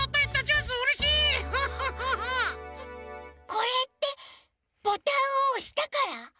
これってボタンをおしたから？